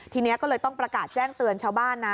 ทีนี้ก็เลยต้องประกาศแจ้งเตือนชาวบ้านนะ